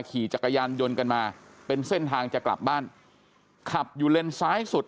ขี่จักรยานยนต์กันมาเป็นเส้นทางจะกลับบ้านขับอยู่เลนซ้ายสุด